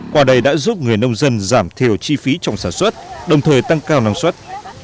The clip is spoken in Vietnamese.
qua đây đã giúp người nông dân giảm thiểu chi phí trong sản xuất đồng thời tăng cao năng suất